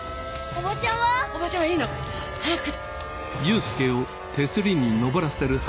おばちゃんはいいの。早く！